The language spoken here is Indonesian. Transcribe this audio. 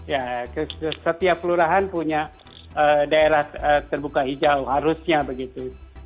ya setiap kelurahan punya daerah terbuka hijau harusnya begitu